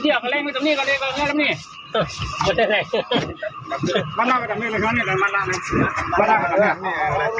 โอ้โหน่ากลัวมาก